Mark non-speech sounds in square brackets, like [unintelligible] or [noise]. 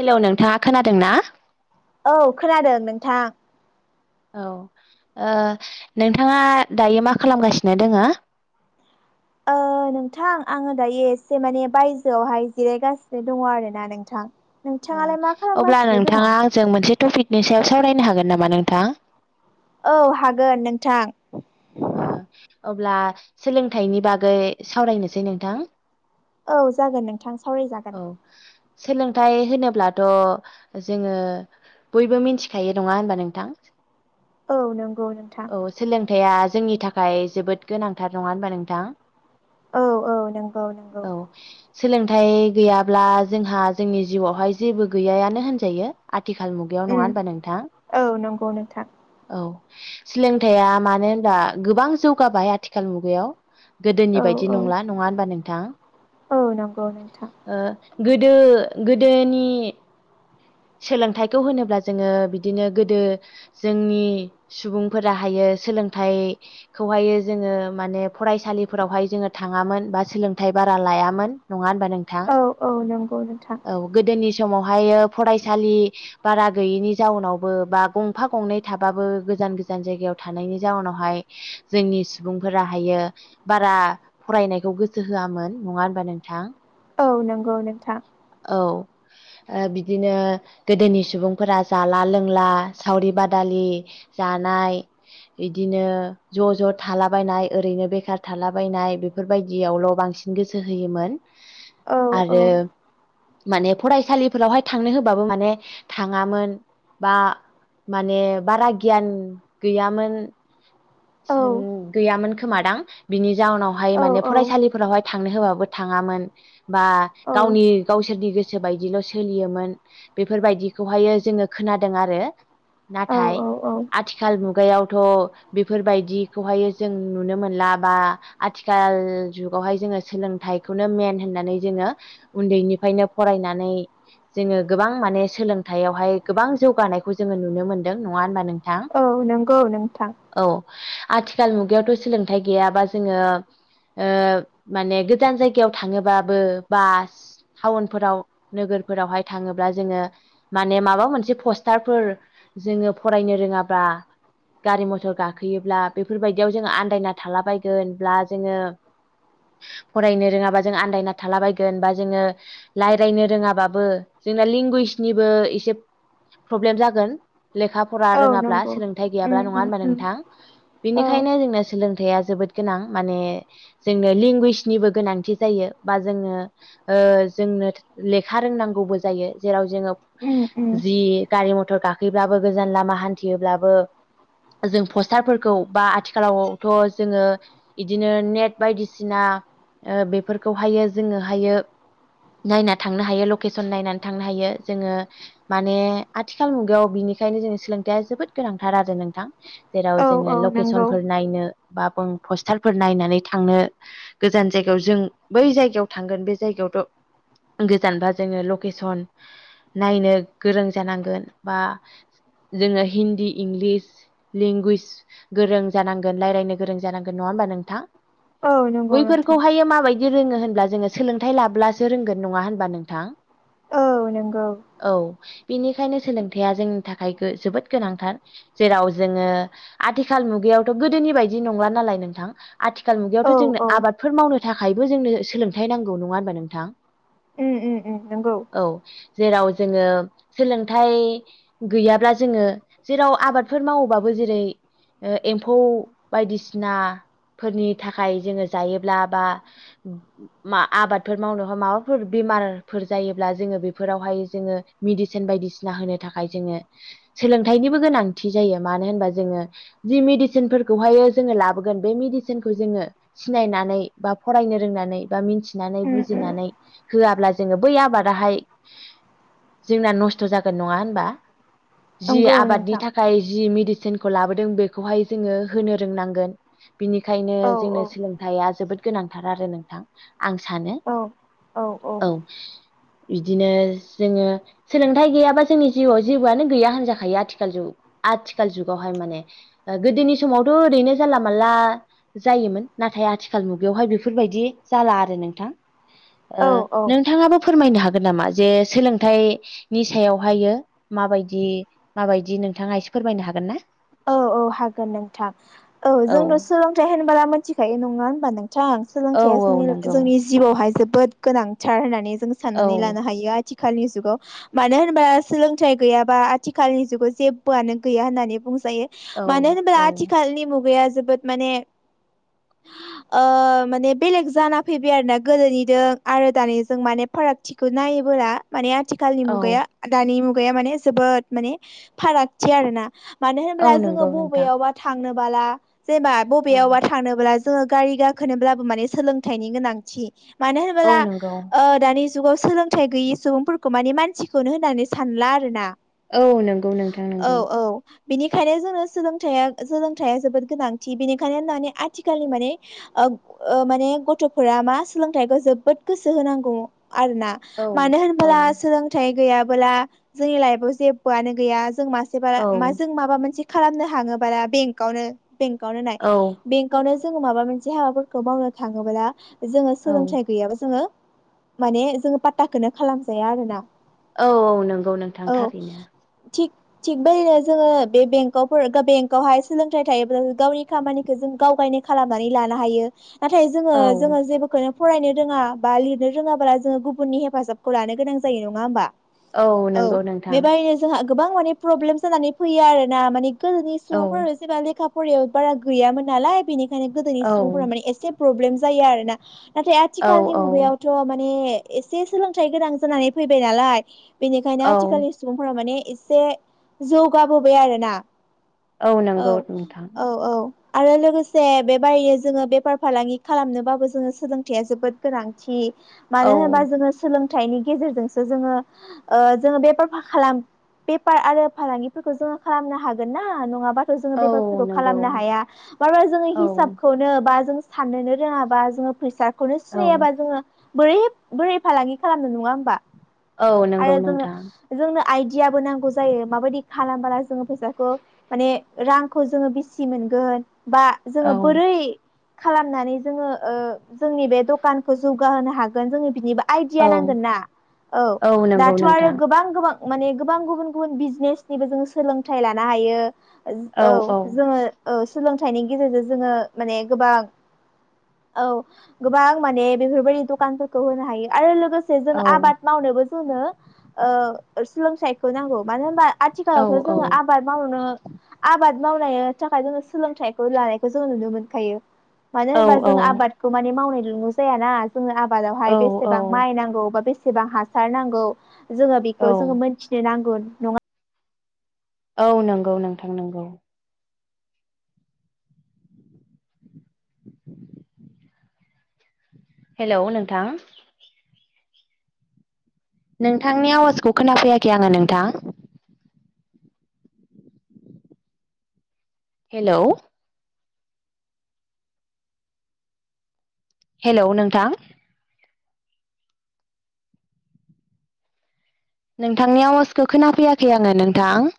Hello नोंथाङा खोनादों ना? औ खोनादों नोंथां औ नोंथाङा दायो मा खालामगासिनो दोङो? [inaudible] ओ नोंथां आङो दायो एसे माने बायजोआवहाय जिरायगासिनो दङ' आर ना नोंथां। नोंथाङालाय मा ओ अब्ला खालामगासिनो दङ नोंथाङा आंजों मोनसे टपिकनि सायाव सावरायनो हागोन नामा नोंथां? औ हागोन नोंथां ओ अब्ला सोलोंथाइनि बागै सावरायनोसै नोंथां। औ जागोन नोंथां औ सावरायजागोन। सोलोंथाइ होनोब्लाथ' जोङो बयबो मिथिखायो नङा होनबा नोंथां? औ नंगौ नोंथां थाइया जोंनि थाखाय जोबोद गोनांथार नङा होनबा नोंथां? औ औ नंगौ नंगौ औ सोलोंथाइ गैयाब्ला जोंहा जोंनि जिउआवहाय जेबो गैयायानो होनजायो। आथिखाल मुगायाव नङा उम होनबा नोंथां औ नंगौ नोंथां औ सोलोंथाइया मानो होनब्ला गोबां जौगाबाय आथिखाल मुगायाव गोदोनि औ बायदि औ नंला नङा होनबा नोंथां? औ नंगौ नोंथां ओ गोदो गोदोनि सोलोंथाइखौ होनोब्ला जोङो बिदिनो गोदो जोंनि सुबुंफोराहायो सोलोंथाइखौहायो जोङो माने फरायसालिफोरावहाय जोङो थाङामोन बा सोलोंथाइ बारा लायामोन नङा होनबा नोंथां औ औ नंगौ नोंथां औ गोदोनि समावहायो फरायसालि बारा गैयिनि जाउनावबो बा गंफा गंनै थाबाबो गोजान गोजान जायगायाव थानायनि जाउनावहाय जोंनि सुबुंफोराायो बारा फरायनायखौ गोसो हो यामोन नङा होनबा नोंथां? औ नंगौ नोंथां औ बि दिनो गोदोनि सुबुंफोरा जाला लोंला सावरि बादालि जानाय बिदिनो ज ज थालाबायनाय ओरैनो बेखार थालाबायनाय बेफोरबायदियावल बांसिन बांसिन गोसो होयोमोन औ औ आरो माने फसालिफोरावहाय थांनो होबाबो माने थाङामोन बा माने बारा गियान गैयामोन। औ गैयामोन खोमादां बिनि जाउनावहाय औ माने औ फरायसालिफोरावहाय थांनो होबाबो थाङामोन बा गावनि गावसोरनि गोसो बायदिल सोलियोमोन। बेफोरबायदिखौहायो जोङो खोनादों आरो नाथाय औ औ औ आथिखाल मुगायावथ बेफोरबायदिखौहायो जों नुनो मोनला बा आथिखाल जुगावहाय जोङो सोलोंथाइ नो मेन होननानै जोङो उन्दैनिफ्रायनो फरायनानै जोङो गोबां माने सोलोंथायाइयावहाय गोबां जौगानायखौ जोङो नुनो मोनदों नङा होनबा नों औ नंगौ नोंथां आथिखाल मुगायावथ सोलोंथाइ गैयाबा जोङो माने गोजान जायगायाव थाङोबाबो बास टाउनफोराव नोगोरफोरावहाय थाङोब्ला जोङो माने माबा मोनसे पस्टारफोर जोङो फरायनो रोङाबा गारि मथर गाखोयोब्ला बेफोरबायदियाव जोङो आन्दायना थालाबायगोनब्ला जोङो फरायनो रोङाबा जों आन्दायना थाला बायगोन बा जोङो रायज्लायनो रोङाबाबो जोंना लेंगुवेजनिबो एसे प्रब्लेम जागोन लेखा फरा औ रोङाब्ला नंगौ सोलोंथाइ उम गैयाब्ला नङा उम होनोमबा उम नोंथां औ बेनिखायनो जोंनो सोलों या जोबोद गोनां माने जोंनो लेंगुवेजनिबो गोनांथि जायो बा जों ओ जोंनो लेखा रोंनांगौबो जायो जेराव जोङो उम उम जि गारि मथर गा हैब्लाबो गोजान लामा हान्थियोब्लाबो जों पस्टारफोरखौ बा आथिखालावथ जोङो बिदिनो नेट बायदिसिना ओ बेफोरखौहायो जोङोहायो नायना थांनो हायो लकेसन नायनानै थांनो हायो जोङो माने आथिखाल मुगायाव बिनि बेनिखायनो जोंनो सोलोंथाइया जोबोद गोनांथार आरो नोंथां जेराव औ जोङो औ नंगौ लकेसनफोर नायनो बाबों पस्टारफोर नायनानै थांनो गोजान जायगायाव जों बै जायगायाव थांगोन बे जायगायाव गोजानबा जोङो लकेसन नायनो गोरों जानांगोन बा जोङो हिन्दी इंलिस लेंगुवेज गोरों जानांगोन रायजलायनो गोरों जानांगोन नङा होमबा नोंथां औ नंगौ नोंथां बैफोरखौहायो माबायदि रोङो होनब्ला जोङो सोलोंथाइ लाब्लासो रोंगोन नङा होनबा नोंथां औ नंगौ औ बेनिखायनो सोलोंथाइया जोंनि थाखाय जोबोद गोनांथार जेराव जोङो आथिखाल मुगायावथ गोदोनि बायदि नंला नालाय नोंथां आथिखाल औ मुगायावथ जोंनो औ आबादफोर मावनो थाखायबो जोंनो सोलोंथाइ नांगौ नङा होनबा नोंथां उम उम उम नोंगौ औ जेराव जोङो सोलोंथाइ गैयाब्ला जोङो जेराव आबाद फोर मावोबाबो जेरै एम्फौ बायदिसिना फोरनि थाखाय जोङो जायोब्ला बा आबादफोर मावनो माबाफोर बेमारिफोर जायोब्ला जोङो बेफोरावहाय जोङो मेदिसिन बायदिसिना होनो थाखाय जोङो सोलोंथाइनिबो गोनां थि जायो मानो होनबा जोङो जि मेडिसिनफोरखौहाय जोङो लाबोगोन बे मेडिसिनखौ जोङो सिनायनानै बा फरायनो रोंनानै बा मिथिनानै उम उम बुजिनानै होआब्ला जोङो बै आबादाहाय जोंना नस्थ' जागोन नङा होनबा जि नंगौ आबादनि नोंथां थाखाय जि मेडिसिनखौ लाबोदों बेखौहाय जोङो होनो रोंनांगोन बिनिखायनो औ जोंनो औ सोलोंथाइया जोबोद गोनांथार आरो नोंथां आं सानो औ औ बिदिनो जोङो सोलोंथाइ गैयाबा जोंनि जिउआव जेबोआनो गैया होनजाखायो आथिखाल जु आथिखाल जुगावहाय माने गोदोनि समावथ' ओरैनो जानला मानला जायोमोन नाथाय नाथाय आथिखाल मुगायावहाय बेफोरबायदि जाला आरो नोंथां ओ औ औ नोंथाङाबो फोरमायनो हागोन नामा जे सोलोंथाइनि सायावहायो माबायदि माबायदि नों नोंथाङा एसे फोरमायनो हागोन ना औ औ हागोन नोंथां औ जोंथ' सोलोंथाइ होनोबोला मिथिखायो नङा होनबा नोंथां औ सोलोंथया औ जोंनि नंगौ जोंनि जिउआवहाय जोबोद गोनांथार होननानै जों औ साननानै लानो हायो आथि आथिखालनि जुगाव मानो होनबा सोलोंथाइ गैयाबा आथिखालनि जुगाव जेबोआनो गैया होननानै बुं जायो औ मानो होनोबा औ आथिखालनि मुगाया जोबोद माने ओ माने बेलेग जाना फैबाय आरोना गोदोनिजों आरो दानिजों माने फारागथिखौ नायोबोला माने आथिखालनि औ मुगाया दानि मुगाया माने जोबोद माने फारागथि आरो ना मानो औ होनब्ला जोङो नंगौ नोंथां बबेयावबा थांनोबोला जेनेबा औ बबेयावबा थांनोबोला जोङो गारि गाखोनोब्लाबो माने सोलोंथाइनि गोनांथि मानो औ होनोब्ला नंगौ ओ दानि जुगाव सोलोंथाइ गैयै सुबुंफोरखौ माने मानसिखौनो होननानै सानला आरोना औ नंगौ नोंथां औ नंगौ औ बिनिखायनो जोंनो सोलों सोलोंथाइआ जोबोद गोनांथि बेनिखायनो दानि आथिखालनि माने ओ माने गथ'फोरा मा सोलोंथाइखौ जोबोद गोसो होनांगौ ओब आरोना औ मानो औ होनबोला सोलोंथाइ गैयाबोला जोंनि लाइफआव जेबोआनो गैया जों मासे बारा औ मा जों माबा मोनसे खालामनो हाङोबारा बेंकआवनो बेंकआवनो नाय औ बेंकआवनो जोङो माबा मोनसे हाबाफोरखौ मावनो थाङोब्ला जोङो औ सोलोंथाइ गैयाबा जोङो माने जोङो पात्टाखौनो खालामजाया आरोना औ औ नंगौ नोंथां औ थांथारैनो [unintelligible] जोङो बे बेंकआव बेंकआवहाय सोलोंथाइ थायोब्ला गावनि खामानिखौ जों गावगायनो खालामनानै ला लानो हायो नाथाय जोङो औ जोङो जेबोखौनो फरायनो रोङा बा लिरनो रोङाब्ला जोङो गुबुननि हेफाजाबखौ लानो गोनां जायो नङा होमबा औ नंगौ नोंथां बेबायदिनो जोंहा गोबां माने प्रब्लेम जानानै फैयो आरोना माने गोदोनि औ सुबुंफोरानो जेबा लेखा फरायाव बारा गैयामोन नालाय बेनिखायनो गोदोनि औ सुबुंफोरा माने एसे प्रब्लेम जायो आरोना नाथाय औ आथिखालनि औ मुगायावथ' माने एसे सोलोंथाइ गोनां जानानै फैबाय नालाय बेनिखायनो औ आथिखालनि सुबुंफोरा माने एसे जौगाबोबाय आरोना औ नंगौ नोंथां औ औ आरो लोगोसे बेबायदिनो जोङो बेफार फालांगि खालामनोबाबो जोङो सोलोंथाइया जोबोद गोनांथि मानो औ होनोबा जोङो सोलों थाइनि गेजेरजोंसो जोङो जोङो बेफार खालाम बेफार आरो फालांगि फोरखौ जोङो खालामनो हागोन ना नङाबा औ खालामनो नंगौ हाया मानो होनोबा जोंनि औ हिसाबखौनो बा साननोनो रोङाबा जोङो फैसाखौनो औ सिनायाबा जोङो बोरै बोरै फालांगि खालामनो नङा होमबा औ आरो नंगौ जोंनो नोंथां जोंनो आइदियाबो नांगौ जायो माबायदि खालामबाला जोङो फैसाखौ माने रांखौ जोङो बिसि मोनगोन बा जोंङो औ बोरै खालामनानै जोंङो जोंनि बे दखानखौ जौगाहोनो हागोन जोंङो बिनि बा आइडिया औ नांगोन ना औ नंगौ दाथ' आरो नोंथां गोबां गोबां माने गोबां गुबुन गुबुन बिजनेसनिबो जों सोलोंथाइ लानो हायो। औ जोंङो औ सोलोंथाइनि गेजेरजों जोंङो माने गोबां औ गोबां माने बेफोरबायदि दखानफोरखौ होनो हायो आरो लोगो बे जों औ आबाद मावनोबो जोंनो सोलोंथाइखौ नांगौ मानो होनबा औ आथिखालावथ' औ जोंङो आबाद मावनो आबाद मावनायनि थाखाय जोंङो सोलोंथाइखौ लानायखौ जोंङो नुनो मोनखायो। मानो औ होनबा जों औ आबादखौ माने मावनाय जोंङो जायाना जोंङो आबादावहाय बेसेबां औ माइ नांगौ बा बेसेबां एसेबां हासार नांगौ जोंङो बेखौ औ जोंङो मोनथिनो नांगौ नंङा औ नंगौ नोंथां नंगौ हेलौ नोंथां नोंथांनि आवाजखौ खोनाफैयाखै आंङो नोंथां हेलौ हेलौ नोंथां नोंथांनि आवाजखौ खोनाफैयाखै आंङो नोंथां